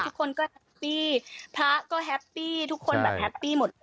ทุกคนก็แฮปปี้พระก็แฮปปี้ทุกคนแบบแฮปปี้หมด